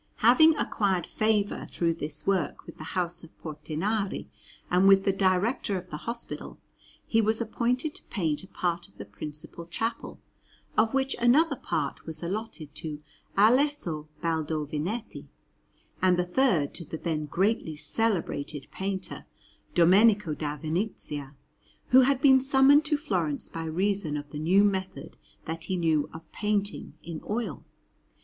Having acquired favour through this work with the house of Portinari and with the Director of the hospital, he was appointed to paint a part of the principal chapel, of which another part was allotted to Alesso Baldovinetti, and the third to the then greatly celebrated painter Domenico da Venezia, who had been summoned to Florence by reason of the new method that he knew of painting in oil.